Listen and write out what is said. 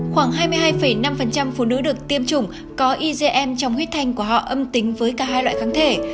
khoảng hai mươi hai năm phụ nữ được tiêm chủng có egm trong huyết thanh của họ âm tính với cả hai loại kháng thể